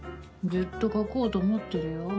ずっと書こうと思ってるよ。